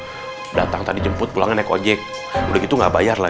sih biget dia orangnya beschot panggolnya siapa menghibur makan atau kihing umarna